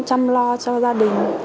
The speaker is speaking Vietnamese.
chăm lo cho gia đình